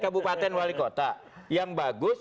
kabupaten wali kota yang bagus